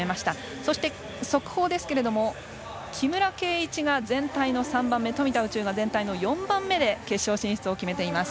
そして速報ですけれども木村敬一が全体の３番目富田宇宙が全体の４番目で決勝進出を決めています。